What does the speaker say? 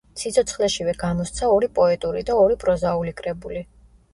სიცოცხლეშივე გამოსცა ორი პოეტური და ორი პროზაული კრებული.